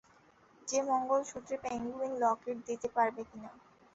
যে, মঙ্গলসূত্রে পেঙ্গুইন লকেট দিতে পারবে কিনা?